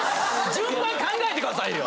順番考えてくださいよ！